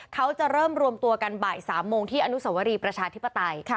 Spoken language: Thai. เขาจะเริ่มรวมตัวกันบ่าย๓โมงที่อนุสวรีประชาธิปไตย